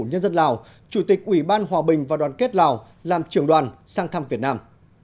nhân dân lào chủ tịch ủy ban hòa bình và đoàn kết lào làm trưởng đoàn sang thăm việt nam